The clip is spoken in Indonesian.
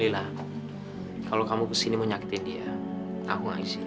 lila kalau kamu kesini mau nyakitin dia aku nggak isinya